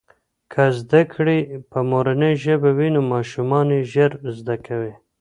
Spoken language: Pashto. که زده کړې په مورنۍ ژبه وي نو ماشومان یې ژر زده کوي.